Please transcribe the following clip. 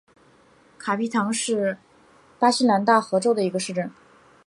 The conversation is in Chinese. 卡皮唐是巴西南大河州的一个市镇。